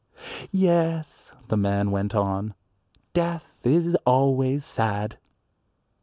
"Yes," the man went on, "death is always sad."